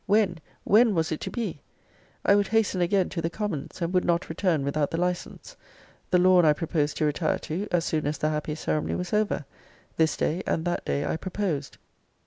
When, when was it to be? I would hasten again to the Commons; and would not return without the license. The Lawn I proposed to retire to, as soon as the happy ceremony was over. This day and that day I proposed.